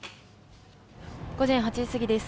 午前８時過ぎです。